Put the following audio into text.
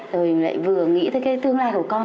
rồi lại vừa nghĩ tới cái tương lai của con